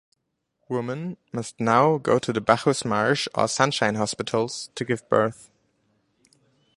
Women must now go to Bacchus Marsh or Sunshine Hospitals to give birth.